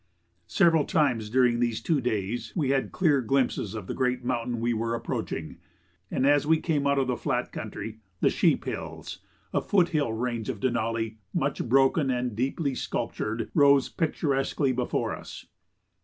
Several times during these two days we had clear glimpses of the great mountain we were approaching, and as we came out of the flat country, the "Sheephills," a foot hill range of Denali, much broken and deeply sculptured, rose picturesquely before us.